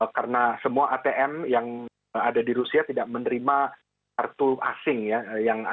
karena semua atm yang ada di rusia tidak menerima kartu asing